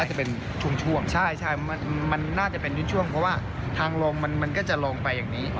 น่าจะเป็นชุ่มช่วงใช่ใช่มันมันน่าจะเป็นชุ่มช่วงเพราะว่าทางลงมันมันก็จะลงไปอย่างนี้